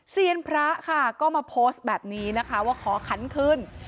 เซียนพระค่ะก็มาโพสต์แบบนี้นะคะว่าขอขันขึ้น